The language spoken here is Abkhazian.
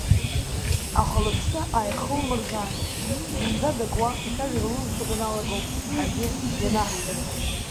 Аха лыԥсы иахылмырзааит, зынӡа дакуа, ацәажәара лылымшо даналага ауп ҳаргьы ианаҳдыр.